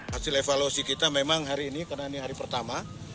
hasil evaluasi kita memang hari ini karena ini hari pertama